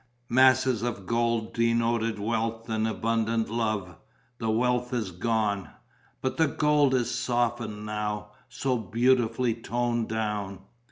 "Masses of gold denoted wealth and abundant love. The wealth is gone...." "But the gold is softened now, so beautifully toned down...."